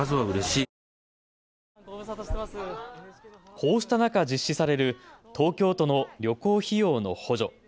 こうした中、実施される東京都の旅行費用の補助。